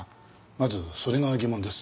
まずそれが疑問です。